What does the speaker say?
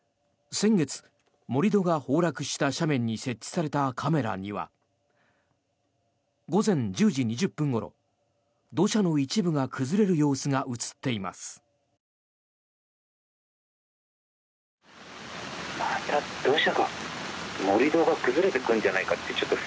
先月、盛り土が崩落した斜面に設置されたカメラには午前１０時２０分ごろ土砂の一部が崩れる様子が映っています。